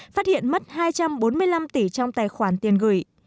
phát hiện mất hai trăm bốn mươi năm tỷ trong tài khoản tiền gửi